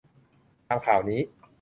ตามข่าวนี้